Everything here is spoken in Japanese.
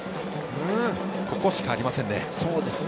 ここしかありませんでした。